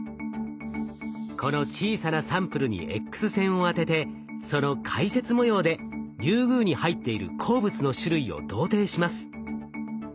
この小さなサンプルにＸ線を当ててその回折模様でリュウグウに入っている鉱物の種類を同定します。